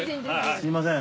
すみません。